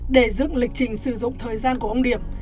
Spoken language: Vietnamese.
để dựng lịch trình sử dụng thời gian của ông điệp